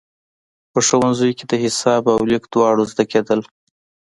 په ښوونځیو کې د حساب او لیک دواړه زده کېدل.